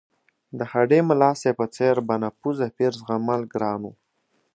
د هډې ملاصاحب په څېر بانفوذه پیر زغمل ګران وو.